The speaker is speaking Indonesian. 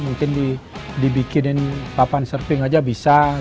mungkin dibikinin papan surfing aja bisa